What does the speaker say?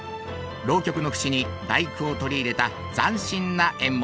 浪曲の節に「第九」を取り入れた斬新な演目。